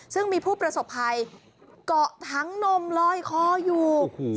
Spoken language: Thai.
ซึ่งมีผู้ประสบภัยเกาะถังนมลอยคออยู่